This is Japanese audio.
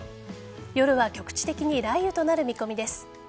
夜は局地的に雷雨となる見込みです。